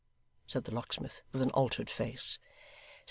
said the locksmith, with an altered face.